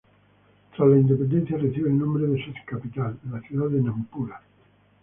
Tras la independencia recibe el nombre de su capital, la ciudad de Nampula.